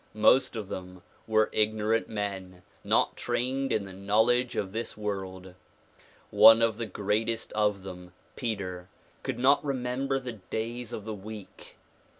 Most of them were ignorant men not trained in the knowledge of this world. One of the greatest of them, Peter, could not remember the days of the week.